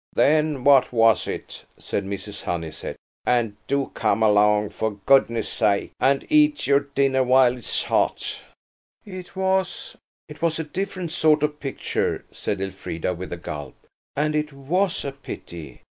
"Then what was it?" said Mrs. Honeysett. "And do come along, for goodness' sake, and eat your dinner while it's hot." "It was–it was a different sort of picture," said Elfrida, with a gulp, "and it was a pity."